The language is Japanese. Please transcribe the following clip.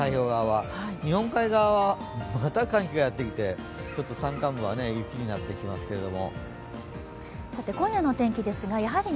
日本海側はまた寒気がやってきて、山間部は雪になってきますけれども。